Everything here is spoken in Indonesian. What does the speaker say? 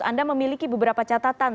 anda memiliki beberapa catatan